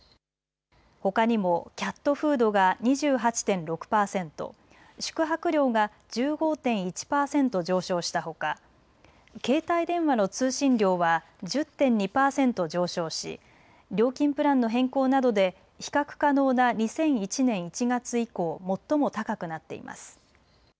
ほかにもキャットフードが２８．６％、宿泊料が１５．１％上昇したほか携帯電話の通信料は１０．２％上昇し料金プランの変更などで比較可能な２００１年１月以降、最も高くなっています。